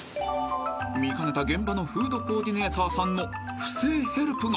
［見かねた現場のフードコーディネーターさんの不正ヘルプが！］